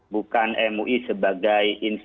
bukan mui sebagai insisti